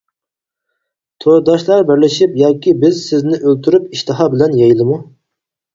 تورداشلار بىرلىشىپ ياكى بىز سىزنى، ئۆلتۈرۈپ ئىشتىھا بىلەن يەيلىمۇ.